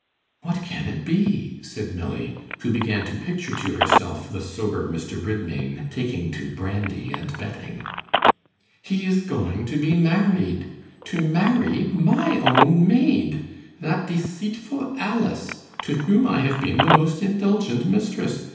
'What can it be?' said Milly, who began to picture to herself the sober Mr. Bridmain taking to brandy and betting. 'He is going to be married to marry my own maid, that deceitful Alice, to whom I have been the most indulgent mistress.